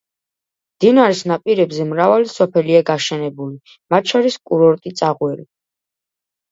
მდინარის ნაპირებზე მრავალი სოფელია გაშენებული, მათ შორის კურორტი წაღვერი.